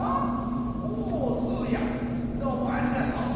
おおスーやどうもありがとう。